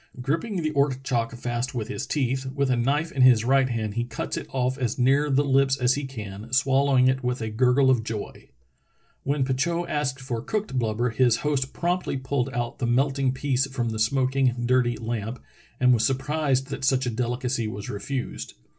Gripping the ortchok fast with his teeth, with a knife in his right hand he cuts it off as near the lips as he can, swallowing it with a gurgle of joy." When Petitot asked for cooked blubber his host promptly pulled out the melting piece from the smok 3o6 True Tales of Arctic Heroism ing, dirty lamp, and was surprised that such a delicacy was refused.